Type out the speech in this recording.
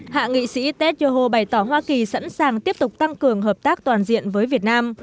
hạ nghị sĩ ted yoho bày tỏ hoa kỳ sẵn sàng tiếp tục tăng cường hợp tác toàn diện với việt nam